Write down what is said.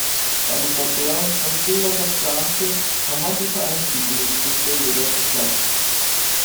Damit war der, von Wilder geplante, dramatische Einstieg in die Geschichte jedoch geplatzt.